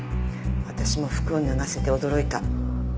私も服を脱がせて驚いた。